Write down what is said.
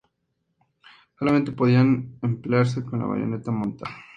Solamente podía emplearse con la bayoneta montada.